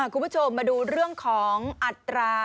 คุณผู้ชมมาดูเรื่องของอัตรา